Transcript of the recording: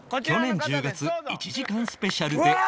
去年１０月１時間スペシャルで